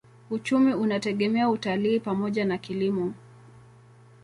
Uchumi unategemea utalii pamoja na kilimo.